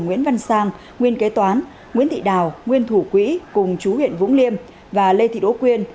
nguyễn văn sang nguyên kế toán nguyễn thị đào nguyên thủ quỹ cùng chú huyện vũng liêm và lê thị đỗ quyên